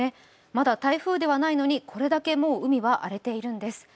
まだ台風ではないのにこれだけもう海が荒れているんです。